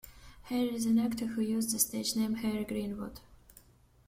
Harry is an actor who uses the stage name Harry Greenwood.